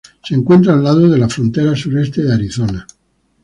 Se encuentra al lado de la frontera sureste de Arizona.